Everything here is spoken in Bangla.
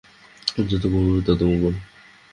যত কম পড়বে, তত মঙ্গল।